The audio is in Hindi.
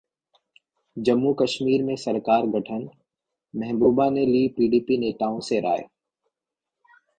जम्मू-कश्मीर में सरकार गठनः महबूबा ने ली पीडीपी नेताओं से राय